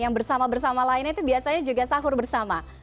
yang bersama bersama lainnya itu biasanya juga sahur bersama